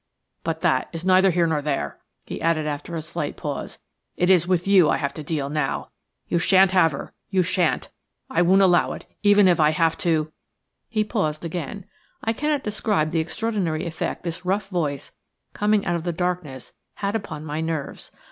But that is neither here nor there," he added after a slight pause. "It is with you I have to deal now. You shan't have her–you shan't–I won't allow it, even if I have to–" He paused again. I cannot describe the extraordinary effect this rough voice coming out of the darkness had upon my nerves.